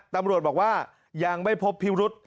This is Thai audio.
ตำรวจบอกว่ายังไม่พบพิรุษ